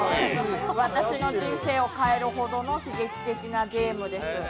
私の人生を変えるほどの刺激的なゲームです。